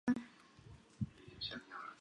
这个日期在纽康的太阳表也得到应用。